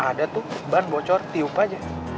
ada tuh ban bocor tiup aja